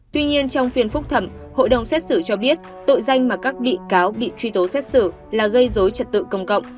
tuy nhiên trong phiên phúc thẩm hội đồng xét xử cho biết tội danh mà các bị cáo bị truy tố xét xử là gây dối trật tự công cộng